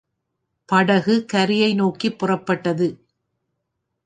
படகு கரையை நோக்கிப் புறப்பட்டது.